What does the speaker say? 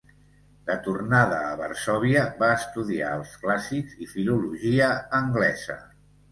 De tornada a Varsòvia, va estudiar els clàssics i filologia anglesa.